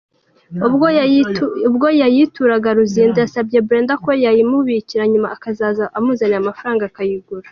Ubwo yayitiruraga, Luzinda yasabye Brenda ko yayimubikira, nyuma akazaza amuzaniye amafaranga akayigura.